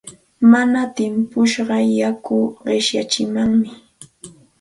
Mana timpushqa yaku qichatsimanmi.